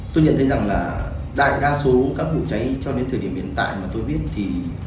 tôi nhận thấy rằng là đại đa số các vụ cháy cho đến thời điểm hiện tại mà tôi biết thì